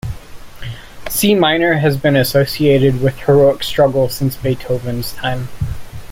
C minor has been associated with heroic struggle since Beethoven's time.